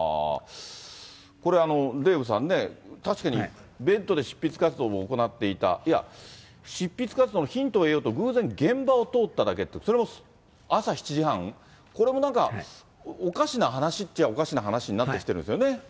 これ、デーブさんね、確かにベッドで執筆活動を行っていた、いや、執筆活動のヒントを得ようと、偶然現場を通っただけって、それも朝７時半、これもなんか、おかしな話っちゃおかしな話になってきてるんですよね。